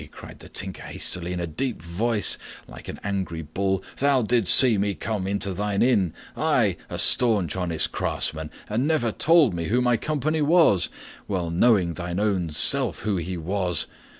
cried the Tinker hastily, and in a deep voice like an angry bull, "thou didst see me come into thine inn, I, a staunch, honest craftsman, and never told me who my company was, well knowing thine own self who he was.